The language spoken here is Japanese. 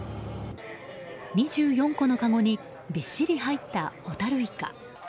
２４個のかごにびっしり入ったホタルイカ。